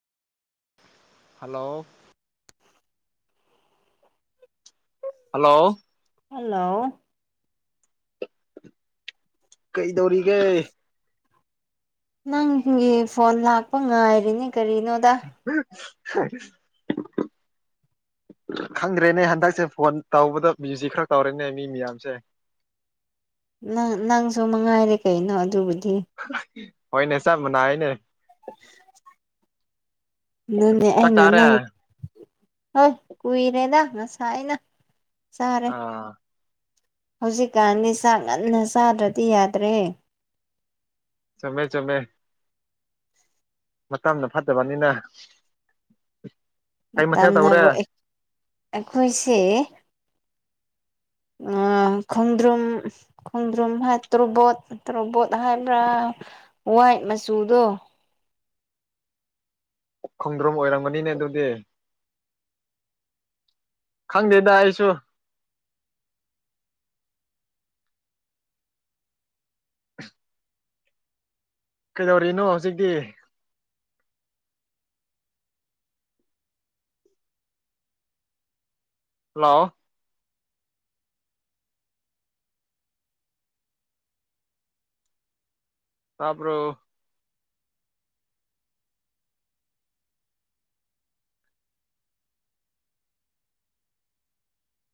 hello hello hello ꯀꯩꯗꯧꯔꯤꯒꯦ ꯅꯪꯕꯨꯌꯦ phone ꯂꯥꯛꯄ ꯉꯥꯏꯔꯤꯅꯤ ꯀꯔꯤꯅꯣꯗ [unintelligible] ꯈꯪꯗ꯭ꯔꯦꯅꯦ ꯍꯟꯗꯛꯁꯦ ꯐꯣꯟ ꯇꯧꯕꯗ ꯕꯤꯖꯤ ꯈꯔ ꯇꯧꯔꯦꯅꯦ ꯃꯤ ꯃꯌꯥꯝꯁꯦ [unintelligible] ꯅꯪ ꯅꯪꯁꯨ ꯃꯉꯥꯏꯔꯦ ꯀꯩꯅꯣ ꯑꯗꯨꯕꯨ ꯍꯣꯏꯅꯦ ꯆꯥꯞ ꯃꯥꯟꯅꯥꯏꯅꯦ [unintelligible] ꯑꯗꯨꯅꯦ ꯆꯥꯛ ꯑꯩꯅ ꯆꯥꯔꯦ ꯅꯪ ꯍꯣꯏ ꯀꯨꯏꯔꯦꯗ ꯉꯁꯥꯏ ꯑꯩꯅ ꯆꯥꯔꯦ ꯑ ꯍꯧꯖꯤꯛꯀꯥꯟꯗꯤ ꯆꯥꯛ ꯉꯟꯅ ꯆꯥꯗ꯭ꯔꯗꯤ ꯌꯥꯗ꯭ꯔꯦ ꯆꯨꯝꯃꯦ ꯆꯨꯝꯃꯦ ꯃꯇꯝꯅ ꯐꯠꯇꯕꯅꯤꯅ ꯀꯩ ꯃꯊꯦꯜ ꯇꯧꯔꯦ ꯃꯇꯝꯅꯕꯨ ꯑꯦ ꯑꯩꯈꯣꯏꯁꯦ ꯑꯥ ꯈꯣꯡꯗ꯭ꯔꯨꯝ ꯈꯣꯡꯗ꯭ꯔꯨꯝ [unintelligible] ꯇꫭꯔꯕꯣꯠ ꯇꫭꯔꯕꯣꯠ ꯍꯥꯏꯕ꯭ꯔ ꯋꯥꯠꯇ ꯃꯆꯨꯗꯣ ꯈꯣꯡꯗ꯭ꯔꯨꯝ ꯑꯣꯏꯔꯝꯒꯅꯤꯅꯦ ꯑꯗꯨꯗꯤ ꯈꯪꯗꯦꯗ ꯑꯩꯁꯨ ꯀꯩꯗꯧꯔꯤꯅꯣ ꯍꯧꯖꯤꯛꯇꯤ ꯍꯜꯂꯣ ꯇꯥꯕ꯭ꯔꫭ